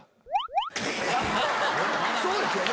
そうですよね！